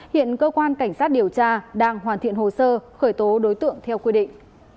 hiện cơ quan cảnh sát điều tra đang hoàn thiện hồ sơ khởi tố đối tượng theo quy định